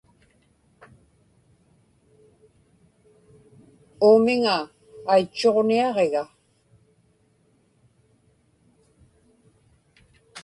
uumiŋa aitchuġniaġiga